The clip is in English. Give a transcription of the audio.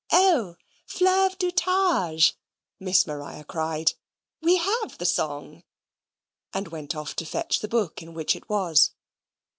"O, 'Fleuve du Tage,'" Miss Maria cried; "we have the song," and went off to fetch the book in which it was.